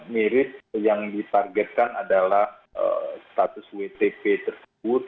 mirip yang ditargetkan adalah status wtp tersebut